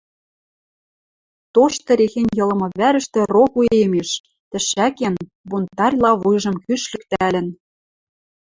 Тошты рехень йылымы вӓрӹштӹ рок уэмеш, тӹшӓкен, бунтарьла вуйжым кӱш лӱктӓлӹн